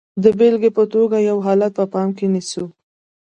د بېلګې په توګه یو حالت په پام کې نیسو.